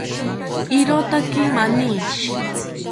Irotaki mani